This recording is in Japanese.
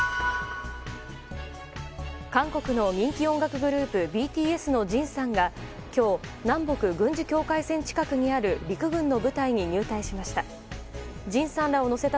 韓国の人気音楽グループＢＴＳのＪＩＮさんが今日、南北軍事境界線近くにある陸軍の部隊に入隊しました。